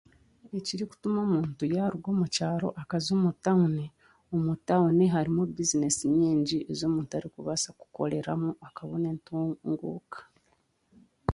Ekirikutuma omuntu yaaruga omu kyaro akaza omu tawuni, omu tawuni harimu bizineesi nyingi omuntu arikubaasa kukoreramu akabona entunguuka